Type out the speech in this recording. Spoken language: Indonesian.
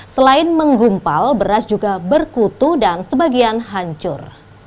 selain menggumpal beras juga berkutu dan sebagian hancur